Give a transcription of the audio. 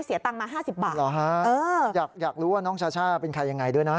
เสียตังมา๕๐บาทเออหรออยากรู้ว่าน้องชาชาเป็นใครอย่างไรด้วยนะ